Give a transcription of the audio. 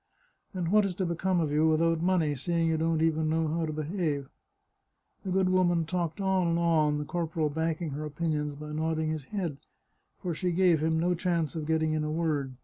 And what is to be come of you without money, seeing you don't even know how to behave ?" The good woman talked on and on, the corporal backing her opinions by nodding his head, for she gave him no chance of getting in a word.